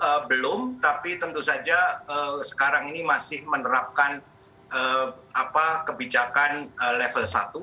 belum tapi tentu saja sekarang ini masih menerapkan kebijakan level satu